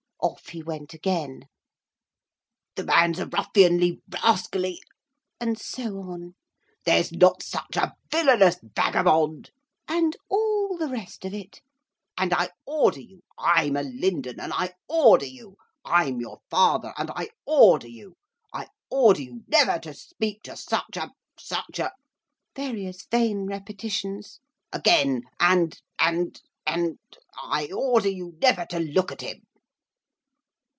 Off he went again. 'The man's a ruffianly, rascally, ' and so on. 'There's not such a villainous vagabond ' and all the rest of it. 'And I order you, I'm a Lindon, and I order you! I'm your father, and I order you! I order you never to speak to such a such a' various vain repetitions 'again, and and and I order you never to look at him!